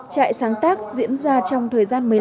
chạy sáng tác diễn ra trong thời gian